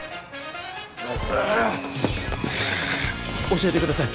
教えてください。